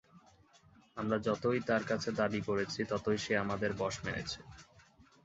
আমরা যতই তার কাছে দাবি করেছি ততই সে আমাদের বশ মেনেছে।